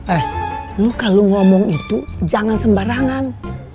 eh lu kalau ngomong itu jangan sembarangan